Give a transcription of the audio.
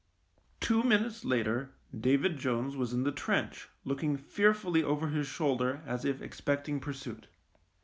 Two minutes later David Jones was in the trench looking fearfully over his shoulder as if expecting pursuit.